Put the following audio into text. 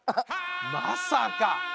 まさか！